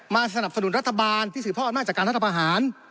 มาสนับสนุนรัฐบาลที่สื่อพ่ออำนาจการรัฐประหาร